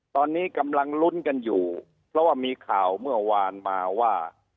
ตอนนี้กำลังลุ้นกันอยู่เพราะว่ามีข่าวเมื่อวานมาว่า